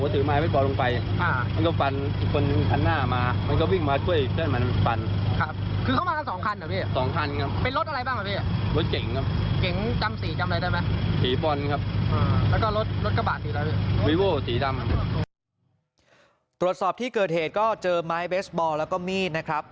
ตรวจสอบที่เกิดเหตุก็เจอไม้เบสบอลแล้วก็มีดนะครับ